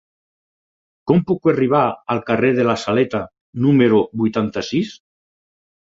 Com puc arribar al carrer de la Saleta número vuitanta-sis?